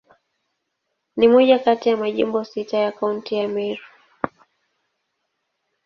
Ni moja kati ya Majimbo tisa ya Kaunti ya Meru.